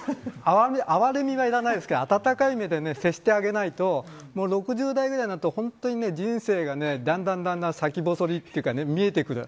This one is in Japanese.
哀れみはいらないですけど温かい目で接してあげないと６０代くらいになると人生がだんだんだんだん先細りというか見えてくる。